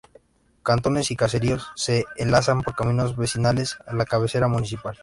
Cantones y caseríos se enlazan por caminos vecinales a la cabecera municipal.